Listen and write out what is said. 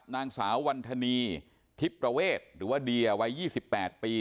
สาวนามวัลธาณีทิพประเวทหรือว่าเดียวัย๒๘ปี